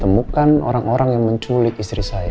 temukan orang orang yang menculik istri saya